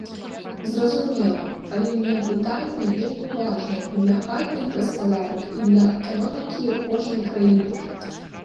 Зразумела, паліўнае пытанне вельмі важнае і для хатніх гаспадарак, і для эканомікі кожнай краіны.